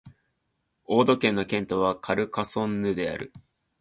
オード県の県都はカルカソンヌである